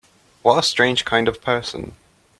What a strange kind of person!